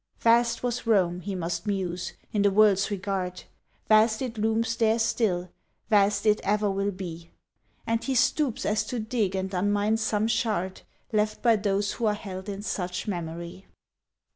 "Vast was Rome," he must muse, "in the world's regard, Vast it looms there still, vast it ever will be;" And he stoops as to dig and unmine some shard Left by those who are held in such memory.